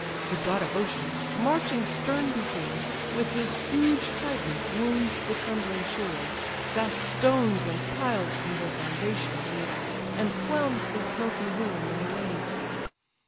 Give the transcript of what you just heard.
The god of ocean, marching stern before, With his huge trident wounds the trembling shore, Vast stones and piles from their foundation heaves, And whelms the smoky ruin in the waves.